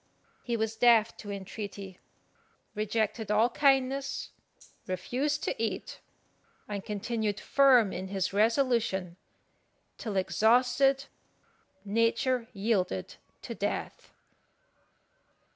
He was deaf to entreaty, rejected all kindness, refused to eat, and continued firm in his resolution, till exhausted nature yielded to death.